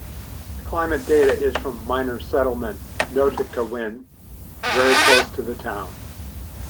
The climate data is from minor settlement Notikewin very close to the town.